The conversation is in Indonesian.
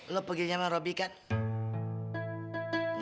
lu pergi nyaman robi kan